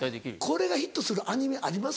これがヒットするアニメあります？